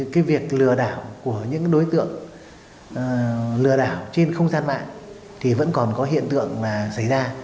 cái việc lừa đảo của những đối tượng lừa đảo trên không gian mạng thì vẫn còn có hiện tượng mà xảy ra